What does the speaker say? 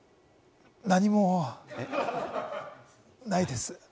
何もないです。